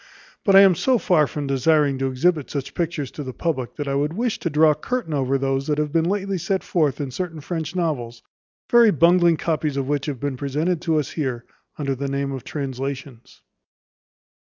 But I am so far from desiring to exhibit such pictures to the public, that I would wish to draw a curtain over those that have been lately set forth in certain French novels; very bungling copies of which have been presented us here under the name of translations.